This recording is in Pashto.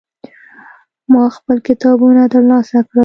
ما خپل کتابونه ترلاسه کړل.